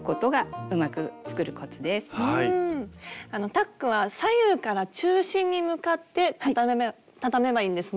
タックは左右から中心に向かってたためばいいんですね。